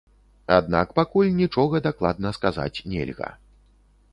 Аднак пакуль нічога дакладна сказаць нельга.